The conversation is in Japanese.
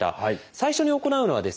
最初に行うのはですね